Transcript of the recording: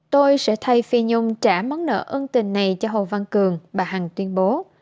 tôi sẽ thay phi nhung trả món nợ ân tình này cho hồ văn cường bà hằng tuyên bố